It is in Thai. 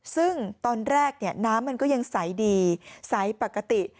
ซึ่งตอนแรกน้ำมันก็ยังใสดีใสปกติ